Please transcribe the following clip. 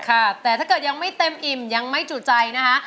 ค่ะแต่ถ้าเกิดยังไม่เต็มอิ่มยังไม่จุใจนะคะ